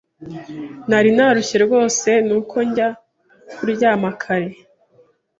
Nari narushye rwose nuko njya kuryama kare. (Nm)